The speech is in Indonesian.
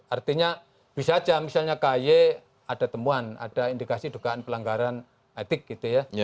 artinya bisa saja misalnya ky ada temuan ada indikasi dugaan pelanggaran etik gitu ya